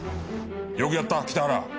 よくやった北原。